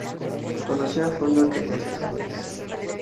Conoció a fondo aquellas regiones.